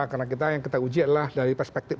karena kita yang kita uji adalah dari perspektif